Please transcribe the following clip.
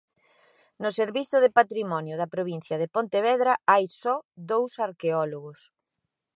No servizo de Patrimonio da provincia de Pontevedra hai só dous arqueólogos.